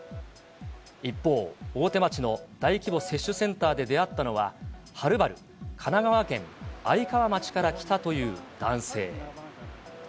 一方、大手町の大規模接種センターで出会ったのは、はるばる神奈川県愛川町から来たという男性。